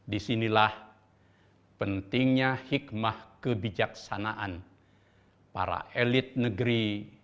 disinilah pentingnya hikmah kebijaksanaan para elit negeri